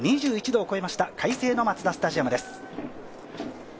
２１度を超えました、快晴のマツダスタジアムです。